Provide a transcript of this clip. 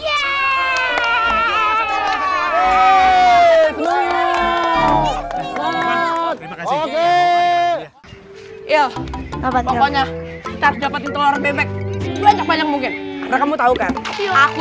ya pokoknya terjapat di telur bebek banyak banyak mungkin kamu tahu kan aku